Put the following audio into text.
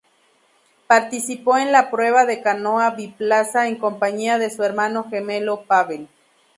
Participó en la prueba de canoa biplaza en compañía de su hermano gemelo Pavel.